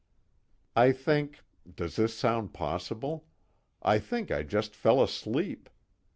I think does this sound possible? I think I just fell asleep.